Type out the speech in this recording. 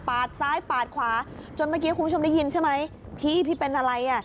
ซ้ายปาดขวาจนเมื่อกี้คุณผู้ชมได้ยินใช่ไหมพี่พี่เป็นอะไรอ่ะ